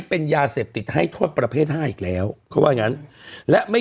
เป็นยาเสพติดให้โทษประเภทห้าอีกแล้วเขาว่าอย่างงั้นและไม่